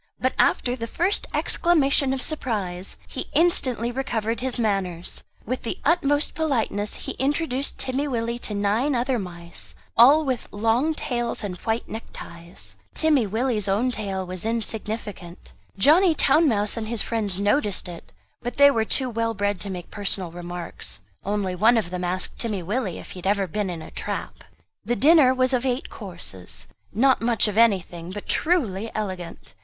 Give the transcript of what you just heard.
But after the first exclamation of surprise he instantly recovered his manners. With the utmost politeness he introduced Timmy Willie to nine other mice, all with long tails and white neckties. Timmy Willie's own tail was insignificant. Johnny Town mouse and his friends noticed it; but they were too well bred to make personal remarks; only one of them asked Timmy Willie if he had ever been in a trap? The dinner was of eight courses; not much of anything, but truly elegant.